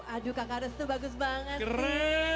aduh kakak restu bagus banget sih